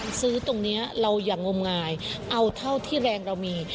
ซื้อตรงนี้เราอย่างงมงายเอาเท่าที่แรงเรามี